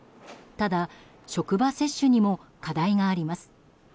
ただ、職場接種にも課題があります。